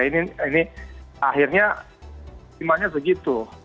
nah ini akhirnya simpannya segitu